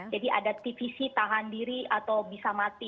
jadi ada divisi tahan diri atau bisa mati